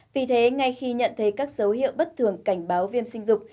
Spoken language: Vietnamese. vì thế ngay khi nhận thấy các dấu hiệu bất thường cảnh báo viêm sinh dục